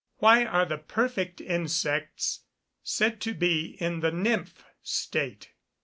_Why are the perfect insects said to be in the "nymph" state?